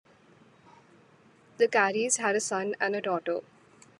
The Careys had a son and a daughter.